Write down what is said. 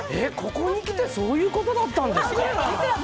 ここにきてそういうことだったんですか。